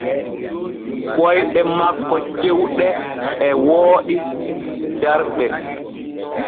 Koyɗe makko cewɗe e wooɗi darɗe.